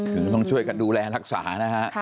คือต้องช่วยกันดูแลรักษานะฮะ